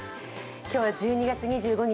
今日は１２月２５日